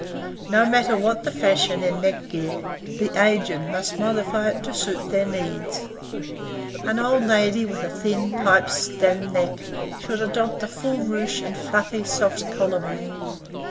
No matter what the fashion in neck gear, the aged must modify it to suit their needs. An old lady with a thin, pipe stem neck should adopt a full ruche and fluffy, soft collar bands.